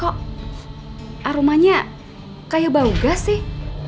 kok aromanya kayak bau gas sih